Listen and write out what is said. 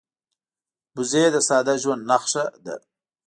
وزې د ساده ژوند نښه ده